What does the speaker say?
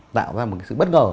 tạo ra một sự bất ngờ